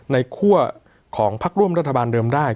คั่วของพักร่วมรัฐบาลเดิมได้